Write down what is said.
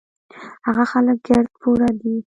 هغه خلک ګړد پوره دي